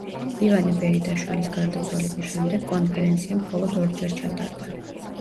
ივანე ბერიტაშვილის გარდაცვალების შემდეგ კონფერენცია მხოლოდ ორჯერ ჩატარდა.